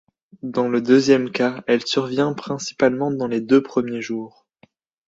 Dans le deuxième cas, elle survient principalement dans les deux premiers jours.